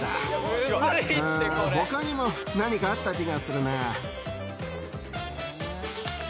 他にも何かあった気がするなぁ。